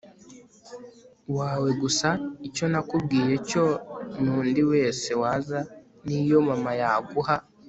wawe gusa icyo nakubwiye cyo nundi wese waza niyo nama yaguha